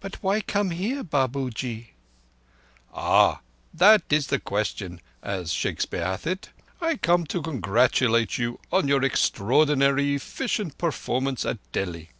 "But why come here, Babuji?" "Ah! Thatt is the question, as Shakespeare hath it. I come to congratulate you on your extraordinary effeecient performance at Delhi.